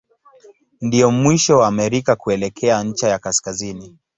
Ndio mwisho wa Amerika kuelekea ncha ya kaskazini.